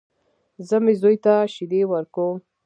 زه مې زوی ته شيدې ورکوم.